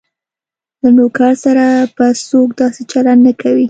له نوکر سره به څوک داسې چلند نه کوي.